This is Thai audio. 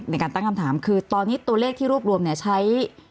ในการตั้งคำถามคือตอนนี้ตัวเลขที่รวบรวมเนี่ยใช้